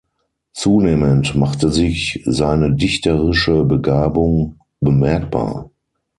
Zunehmend machte sich seine dichterische Begabung bemerkbar.